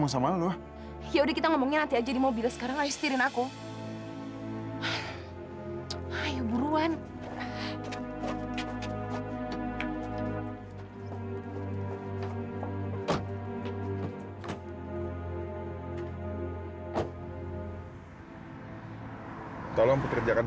sampai jumpa di video selanjutnya